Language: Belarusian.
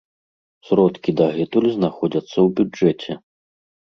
Сродкі дагэтуль знаходзяцца ў бюджэце.